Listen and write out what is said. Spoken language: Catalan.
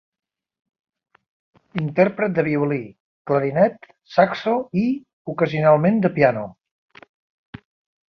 Intèrpret de violí, clarinet, saxo i, ocasionalment, de piano.